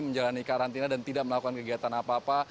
menjalani karantina dan tidak melakukan kegiatan apa apa